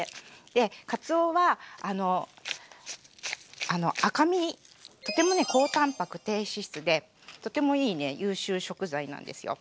でかつおは赤身とても高たんぱく低脂質でとてもいいね優秀食材なんですよ。